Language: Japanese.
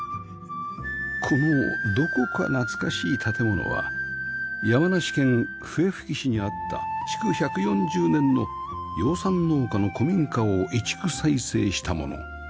このどこか懐かしい建物は山梨県笛吹市にあった築１４０年の養蚕農家の古民家を移築再生したもの